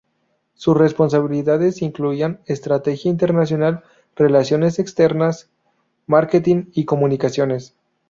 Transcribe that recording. Sus responsabilidades incluían estrategia internacional, relaciones externas, marketing y comunicaciones.